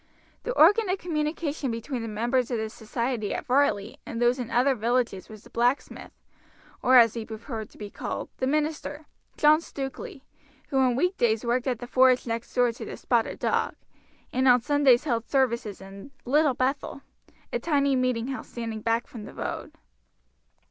The organ of communication between the members of the society at Varley and those in other villages was the blacksmith, or as he preferred to be called, the minister, John Stukeley, who on weekdays worked at the forge next door to the "Spotted Dog," and on Sundays held services in "Little Bethel" a tiny meeting house standing back from the road.